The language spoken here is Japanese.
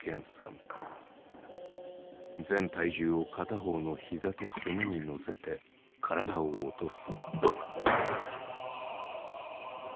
全体重を片方の膝とすねに乗せて体を落とす。